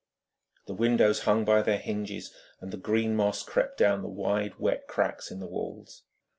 The windows hung by their hinges, and the green moss crept down the wide wet cracks in the walls.